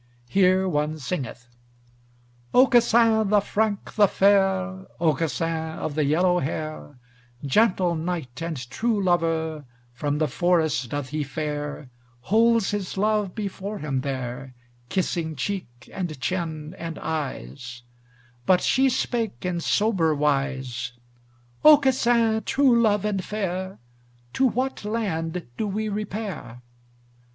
Here one singeth: Aucassin the frank, the fair, Aucassin of the yellow hair, Gentle knight, and true lover, From the forest doth he fare, Holds his love before him there, Kissing cheek, and chin, and eyes, But she spake in sober wise, "Aucassin, true love and fair, To what land do we repair?"